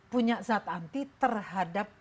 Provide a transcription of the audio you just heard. punya zat anti terhadap